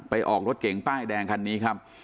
ออกรถเก๋งป้ายแดงคันนี้ครับ